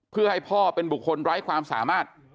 เพื่อให้พ่อเป็นบุคคลไร้ความสามารถ